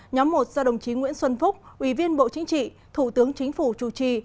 nhóm một do đồng chí nguyễn xuân phúc ủy viên bộ chính trị thủ tướng chính phủ chủ trì